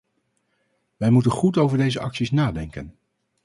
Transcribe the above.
Wij moeten goed over deze acties nadenken.